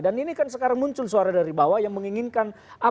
dan ini kan sekarang muncul suara dari bawah yang menginginkan apa yang mereka inginkan